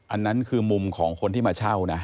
อันนั้นคือมุมของคนที่มาเช่านะ